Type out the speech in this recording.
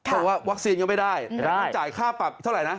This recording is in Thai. เขาบอกว่าวัคซีนยังไม่ได้ต้องจ่ายค่าปรับเท่าไหร่นะ